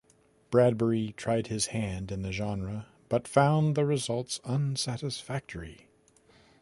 Bradbury tried his hand in the genre but found the results unsatisfactory.